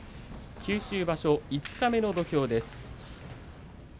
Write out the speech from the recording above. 九州場所五日目の土俵です。